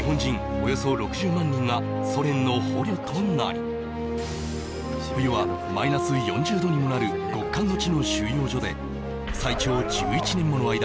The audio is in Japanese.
およそ６０万人がソ連の捕虜となり冬はマイナス４０度にもなる極寒の地の収容所で最長１１年もの間